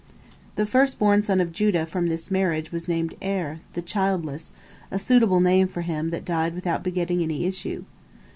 " The first born son of Judah from this marriage was named Er, "the childless," a suitable name for him that died without begetting any issue.